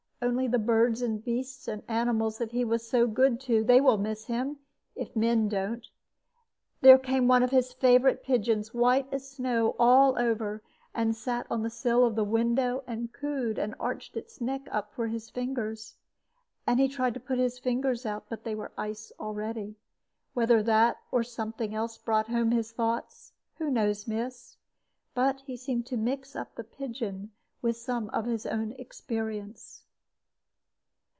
Only the birds and beasts and animals that he was so good to; they will miss him, if men don't. There came one of his favorite pigeons, white as snow all over, and sat on the sill of the window, and cooed, and arched up its neck for his fingers. And he tried to put his fingers out, but they were ice already. Whether that or something else brought home his thoughts, who knows, miss? but he seemed to mix the pigeon up with some of his own experience.